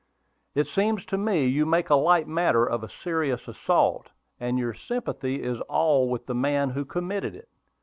"It seems to me you make a light matter of a serious assault, and your sympathy is all with the man who committed it.